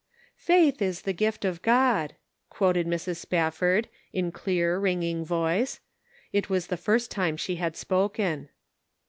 "Faith is the gift of God," quoted Mrs. Spafford, in clear, ringing voice; it was the first time she had spoken.